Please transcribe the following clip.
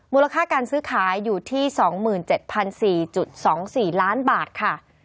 มูลค่าการซื้อขายอยู่ที่๒๗๔๒๔ล้านบาทค่ะ